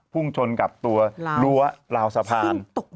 พุ่งชนกับตัวรั้วราวสะพาน